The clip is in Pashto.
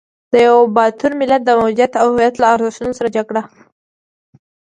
د یوه باتور ملت د موجودیت او هویت له ارزښتونو سره جګړه ده.